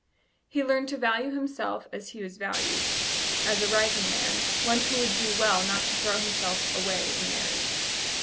He learned to value himself as he was valued as a rising man, one who would do well not to throw himself away in marriage.